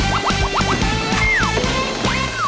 ออบจมหาสนุก